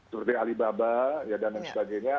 seperti alibaba dan lain sebagainya